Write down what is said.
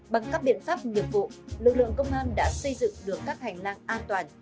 bằng các biện pháp nghiệp vụ lực lượng công an đã xây dựng được các hành lang an toàn